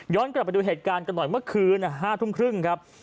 กลับไปดูเหตุการณ์กันหน่อยเมื่อคืน๕ทุ่มครึ่งครับ